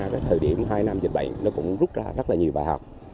vì vậy nó cũng rút ra rất là nhiều bài học